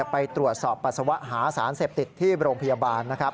ไปตรวจสอบปัสสาวะหาสารเสพติดที่โรงพยาบาลนะครับ